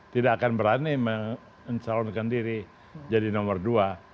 tidak akan berani mencalonkan diri jadi nomor dua